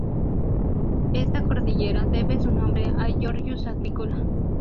Esta cordillera debe su nombre a Georgius Agricola.